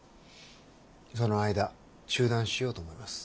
その間中断しようと思います。